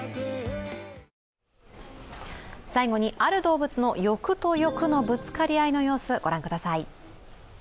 最後に、ある動物の欲と欲のぶつかり合い、ご覧ください。